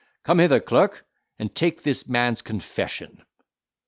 Come hither, clerk, and take this man's confession."